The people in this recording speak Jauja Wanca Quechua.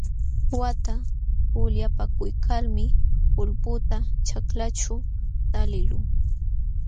Uqata ulyapakuykalmi ulputa ćhaklaćhu taliqluu.